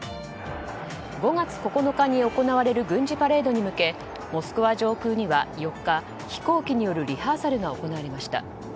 ５月９日に行われる軍事パレードに向けモスクワ上空には４日飛行機によるリハーサルが行われました。